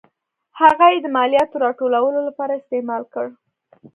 هغه یې د مالیاتو راټولولو لپاره استعمال کړ.